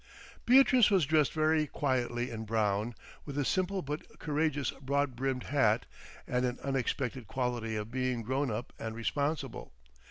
Beatrice was dressed very quietly in brown, with a simple but courageous broad brimmed hat, and an unexpected quality of being grown up and responsible.